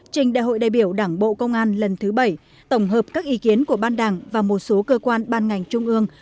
trình đại hội đại biểu đảng bộ công an lần thứ bảy tổng hợp các ý kiến của ban đảng và một số cơ quan ban ngành trung ương